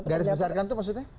garisbesarkan itu maksudnya